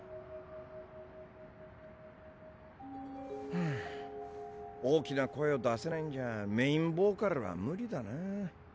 ふう大きな声を出せないんじゃメインボーカルは無理だな。